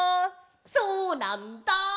そうなんだ！